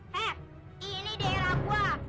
hei ini daerah gue